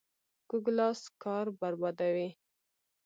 کوږ لاس کار بربادوي